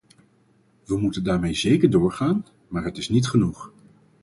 We moeten daarmee zeker doorgaan, maar het is niet genoeg.